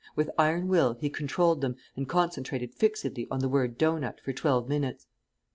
With iron will he controlled them and concentrated fixedly on the word "dough nut" for twelve minutes.